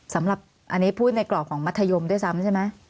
สำหรับอันนี้พูดในกรอบของมัธยมด้วยซ้ำใช่ไหม